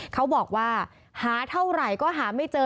เขาบอกว่าหาเท่าไหร่ก็หาไม่เจอ